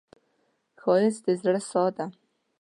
ښایست د زړه ساه ده